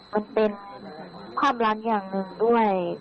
มันเป็นความล้ำอย่างหนึ่งด้วย